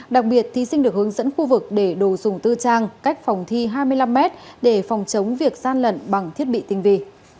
đặc biệt thí sinh được hướng dẫn khu vực để đồ dùng tư trang cách phòng thi hai mươi năm m để phòng chống việc gian lận bằng thiết bị tinh vị